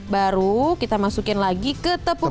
baru kita masukin lagi ke tepung